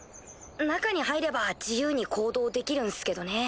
中に入れば自由に行動できるんっすけどね。